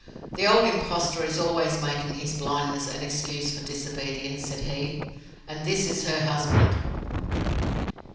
"The old impostor is always making his blindness an excuse for disobedience," said he. And this is her husband.